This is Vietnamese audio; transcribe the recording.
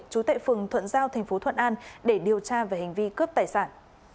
chú tệ phường thuận giao tp thuận an để điều tra về hành vi cướp tài sản